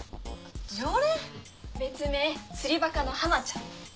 別名釣りバカのハマちゃん。